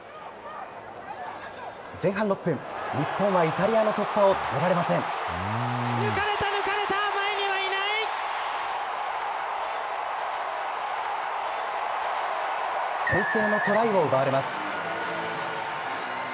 前半６分、日本はイタリアの突破抜かれた、抜かれた、前には先制のトライを奪われます。